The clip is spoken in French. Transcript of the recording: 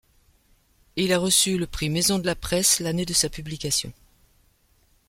Il a reçu le prix Maison de la Presse l'année de sa publication.